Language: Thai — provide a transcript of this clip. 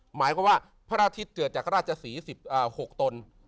หมายความว่าพระอาทิตย์เกิดจากราชศรี๑๖ตน